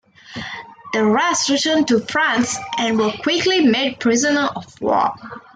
The rest returned to France and were quickly made prisoners of war.